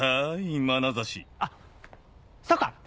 あっそうか！